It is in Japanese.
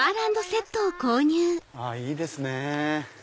いいですね！